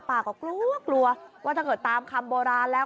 ป้าก็กลัวกลัวว่าถ้าเกิดตามคำโบราณแล้ว